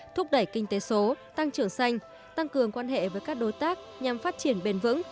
thúc đẩy kinh tế số tăng trưởng xanh tăng cường quan hệ với các đối tác nhằm phát triển bền vững